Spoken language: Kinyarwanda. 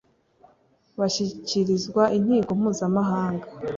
bashyikirizwa inkiko mpuzamahanga,